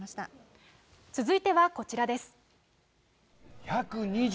続いてはこちらです。